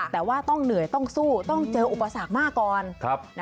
แต่ว่าต้องเหนื่อยต้องสู้ต้องเจออุปสรรคมากก่อน